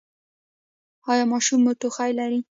ایا ماشوم مو ټوخی لري؟